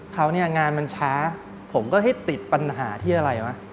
เขาเนี่ยงานมันช้าผมก็ให้ติดปัญหาที่อะไรวะ